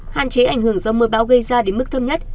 hạn chế ảnh hưởng do mưa bão gây ra đến mức thâm nhất